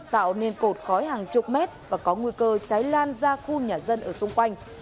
tạo nên cột khói hàng chục mét và có nguy cơ cháy lan ra khu nhà dân ở xung quanh